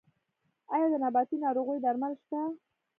آیا د نباتي ناروغیو درمل شته؟